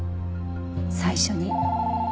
最初に。